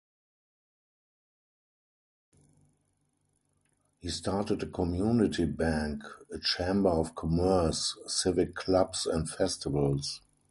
He started a community bank, a chamber of commerce, civic clubs and festivals.